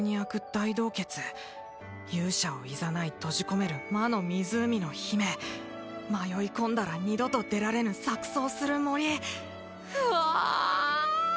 大洞穴勇者を誘い閉じ込める魔の湖の姫迷い込んだら二度と出られぬ錯綜する森うわ！